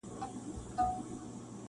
پاڅېدلی خروښېدلی په زمان کي-